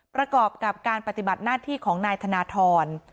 ประกอบกับการปฏิบัติหน้าที่ของนายธนทร